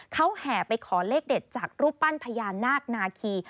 เขาแห่ไปขอเลขเด็ดจากรูปปั้นพญานาคนาคี